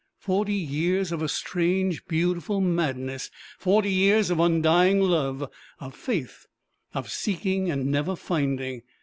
Forty years of a strange, beautiful madness, forty years of undying love, of faith, of seeking and never finding!